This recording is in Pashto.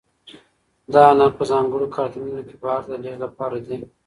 دا انار په ځانګړو کارتنونو کې بهر ته د لېږد لپاره دي.